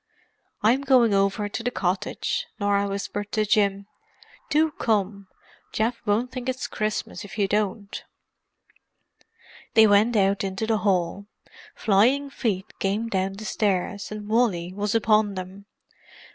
"I'm going over to the cottage," Norah whispered to Jim. "Do come—Geoff won't think it's Christmas if you don't." They went out into the hall. Flying feet came down the stairs, and Wally was upon them.